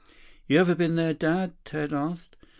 "You ever been there, Dad?" Ted asked.